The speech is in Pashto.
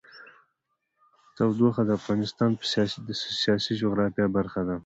تودوخه د افغانستان د سیاسي جغرافیه برخه ده.